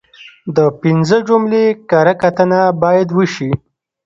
د پنځه جملې کره کتنه باید وشي.